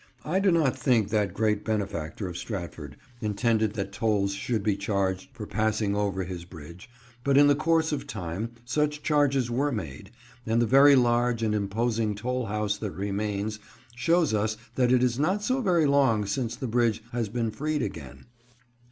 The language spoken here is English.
I do not think that great benefactor of Stratford intended that tolls should be charged for passing over his bridge, but in the course of time, such charges were made, and the very large and imposing toll house that remains shows us that it is not so very long since the bridge has been freed again.